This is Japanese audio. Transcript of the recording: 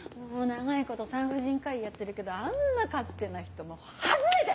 長いこと産婦人科医やってるけどあんな勝手な人初めて！